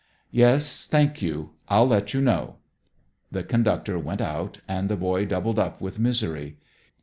"Yes, thank you. I'll let you know." The conductor went out, and the boy doubled up with misery.